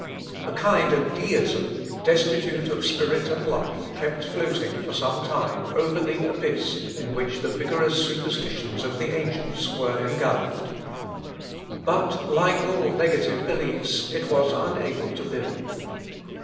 A kind of deism, destitute of spirit and life, kept floating, for some time, over the abyss in which the vigorous superstitions of the ancients were engulfed. But, like all negative beliefs, it was unable to build.